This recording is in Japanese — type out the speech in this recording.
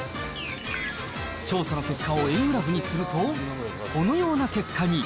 調査の結果を円グラフにすると、このような結果に。